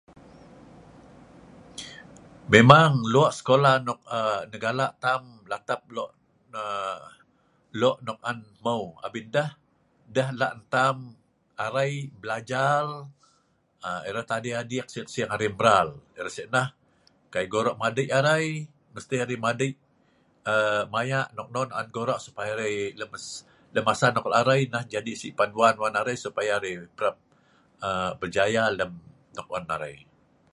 Memang lok skola nok ah menggalak tam latap lok ah lok nok an hmeu abin endeh, deh lak tam arai blajar erat adik adik sing sing arai mral. Erat sik nah kai gorok madei arai, mesti arai madei ah maya non nok on gorok supaya arai lem masa nok arai neh menjadi si' panduan bg arai supaya arai berjaya lem nok on arai